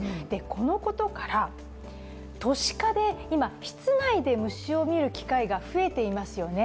このことから、都市化で今、室内で虫を見る機会が増えていますよね